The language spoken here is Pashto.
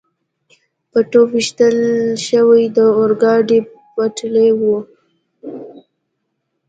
په توپ ویشتل شوې د اورګاډي پټلۍ وه.